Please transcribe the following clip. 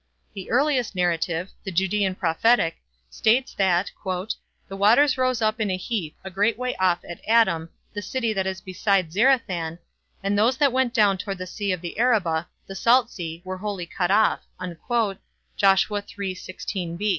The earliest narrative, the Judean prophetic, states that "the waters rose up in a heap, a great way off at Adam, the city that is beside Zarathan, and those that went down toward the Sea of the Arabah, the Salt Sea, were wholly cut off" (Josh. 3:16b).